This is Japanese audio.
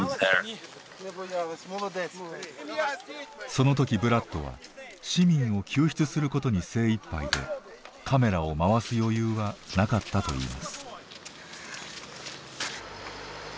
その時ブラッドは市民を救出することに精いっぱいでカメラを回す余裕はなかったといいます。